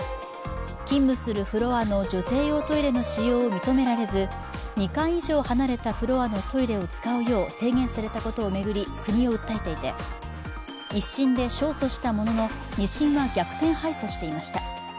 勤務するフロアの女性用トイレの使用を認められず２階以上離れたフロアのトイレを使うよう制限されたことを巡り国を訴えていて１審で勝訴したものの２審は逆転敗訴していました。